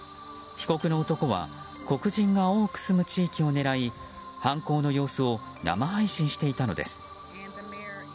被告の男は黒人が多く住む地域を狙い犯行の様子を生配信していたのです。